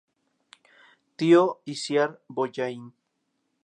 Tío de Icíar Bollaín.